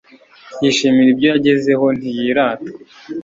yishimira ibyo yagezeho ntiyirata